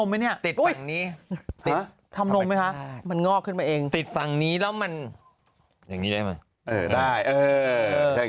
น้อเมฆนี้เอาค่ะทำรมไหมคะมันนอกขึ้นมาเองฟังนี้แล้วมันอย่างเงียวกัน